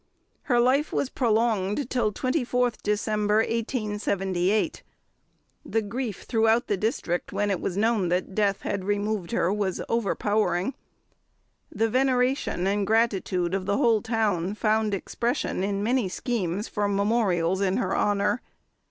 Her life was prolonged till 24th December 1878. The grief throughout the district when it was known that death had removed her was overpowering. The veneration and gratitude of the whole town found expression in many schemes for memorials in her honour.